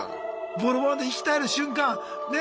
ボロボロで息絶える瞬間ね